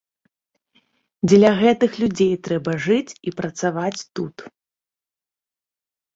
Дзеля гэтых людзей трэба жыць і працаваць тут.